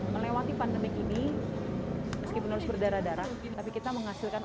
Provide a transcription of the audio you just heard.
melewati pandemi ini meskipun harus berdarah darah tapi kita menghasilkan